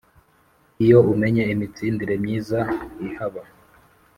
Iyo umenye imitsindire myiza ihaba